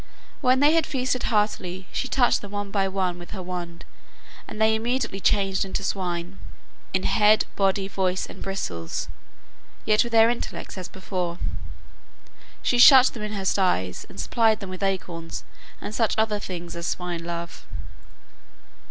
When they had feasted heartily, she touched them one by one with her wand, and they became immediately changed into SWINE, in "head, body, voice, and bristles," yet with their intellects as before. She shut them in her sties and supplied them with acorns and such other things as swine love.